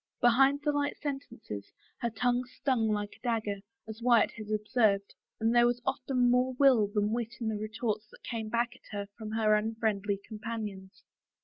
Behind the light sentences her tongue stung like a dagger, as Wyatt had observed, and there was often more will than wit in the retorts that came back at her from her unfriendly companions.